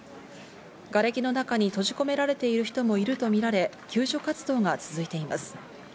がれきの中に閉じ込められている人もいるとみられ救助活動が続いています。